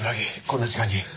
こんな時間に。